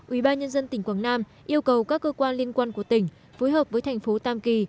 ủy ban nhân dân tỉnh quảng nam yêu cầu các cơ quan liên quan của tỉnh phối hợp với thành phố tam kỳ